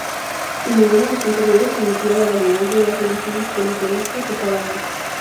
Y ninguno de los anteriores admitía la validez de las religiones politeístas ó paganas.